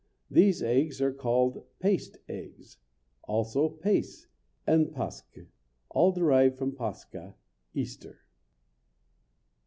These eggs are called "paste" eggs, also "pace" and "pasche," all derived from "pascha" Easter.